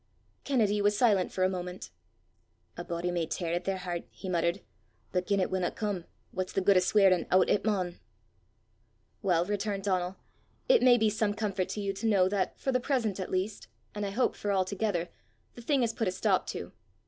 Kennedy was silent for a moment. "A body may tear at their hert," he muttered, "but gien it winna come, what's the guid o' sweirin' oot it maun!" "Well," returned Donal, "it may be some comfort to you to know that, for the present at least, and I hope for altogether, the thing is put a stop to.